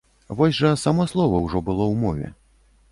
Вось жа само слова ўжо было ў мове.